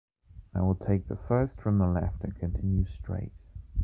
I will take the first from the left and continue straight.